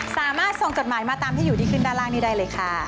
สามารถส่งจดหมายมาตามที่อยู่ที่ขึ้นด้านล่างนี้ได้เลยค่ะ